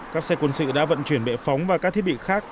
các xe quân sự đã vận chuyển bệ phóng và các thiết bị khác